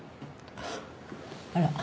あら。